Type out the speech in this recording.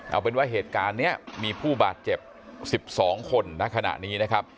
เอาเป็นว่าเหตุการณ์นี้มีผู้บาดเจ็บ๑๒คนณขณะนี้นะครับ